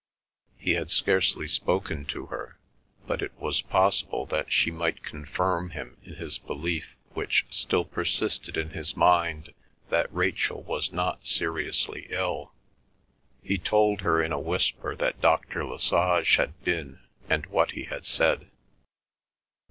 He had scarcely spoken to her, but it was possible that she might confirm him in the belief which still persisted in his own mind that Rachel was not seriously ill. He told her in a whisper that Dr. Lesage had been and what he had said.